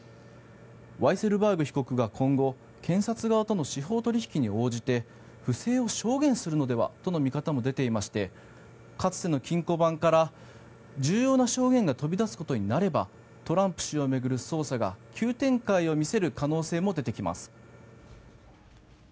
ワイセルバーグ被告が今後、検察との司法取引に応じて不正を証言するのではという見方も出ていましてかつての金庫番から重要な証言が飛び出すことになればトランプ氏を巡る捜査が急展開を見せる可能性も出てきます。